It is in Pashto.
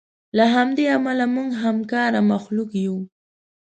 له همدې امله موږ همکاره مخلوق یو.